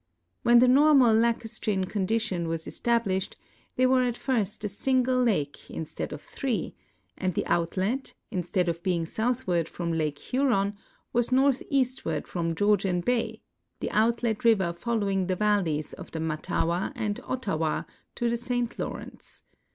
When the normal lacustrine condition was esUiblisht they were at first a single lake instead of three, and the outlet, instead of l)eing southward from Lake Huron, was northeastward from Georgian bay, the outlet river following the valleys of the Mattawa and Ottawa to the St Lawrence.